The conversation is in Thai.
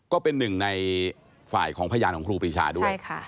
ก็เป็นหนึ่งในฝ่ายของพยานของครูปรีชาด้วย